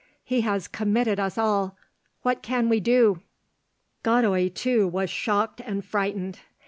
He has committed us all. What can we do?" Godoy too was shocked and frightened.